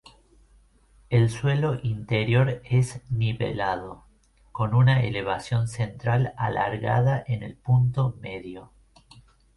El suelo interior es nivelado, con una elevación central alargada en el punto medio.